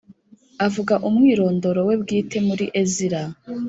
avuga umwirondoro we bwite muri Ezira